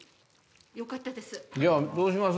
よかったです。